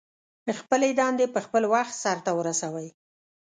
خپلې دندې په خپل وخت سرته ورسوئ.